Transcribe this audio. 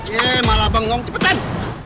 yee malah banggung cepetan